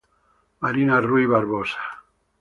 Marina Ruy Barbosa